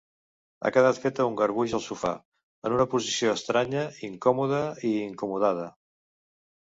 Ha quedat feta un garbuix al sofà, en una posició estranya, incòmoda i incomodada.